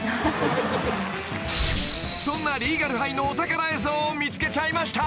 ［そんな『リーガル・ハイ』のお宝映像を見つけちゃいました］